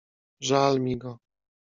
"Żal mi go!"